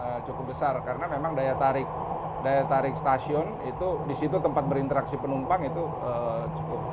yang cukup besar karena memang daya tarik daya tarik stasiun itu di situ tempat berinteraksi penumpang itu cukup